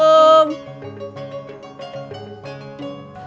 gue kayak g gensen sekali